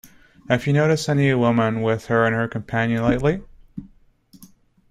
Have you noticed any woman with her and her companion lately?